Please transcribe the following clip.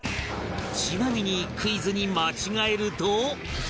ちなみにクイズに間違えると